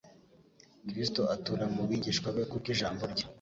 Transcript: Kristo atura mu bigishwa be kubw'Ijambo rye.